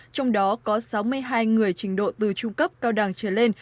trong đó có sáu mươi hai người trình độ từ trung cấp cao đẳng trở lên